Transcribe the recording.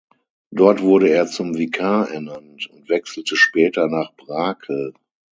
Dort wurde er zum Vikar ernannt und wechselte später nach Brakel.